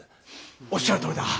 おっしゃるとおりだ。